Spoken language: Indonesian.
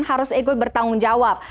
harus ikut bertanggung jawab